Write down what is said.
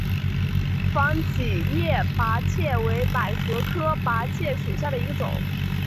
防己叶菝葜为百合科菝葜属下的一个种。